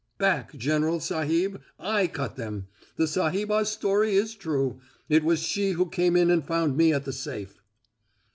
"Back, General Sahib! I cut them. The sahibah's story is true. It was she who came in and found me at the safe."